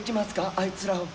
あいつらを。